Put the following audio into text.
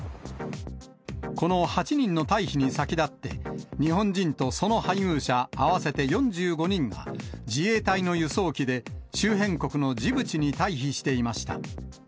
この８人の退避に先立って、日本人とその配偶者合わせて４５人が、自衛隊の輸送機で、周辺国のジブチに退避していました。